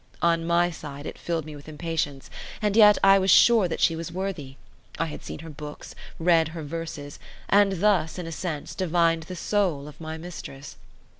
On my side, it filled me with impatience; and yet I was sure that she was worthy; I had seen her books, read her verses, and thus, in a sense, divined the soul of my mistress.